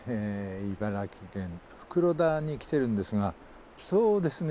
茨城県袋田に来てるんですがそうですね